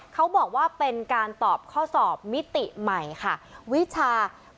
เค้าบอกว่าเป็นการตอบข้อสอบมิติใหม่วิชาเมืองไทย